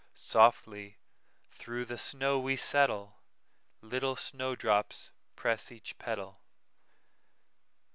"Softly through the snow we settle, Little snow drops press each petal.